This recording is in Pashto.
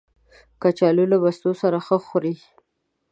کچالو له مستو سره ښه خوري